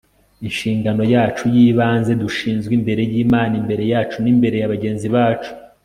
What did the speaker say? inshingano yacu y'ibanze, dushinzwe imbere y'imana, imbere yacu n'imbere ya bagenzi bacu